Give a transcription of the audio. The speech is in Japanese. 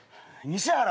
西原？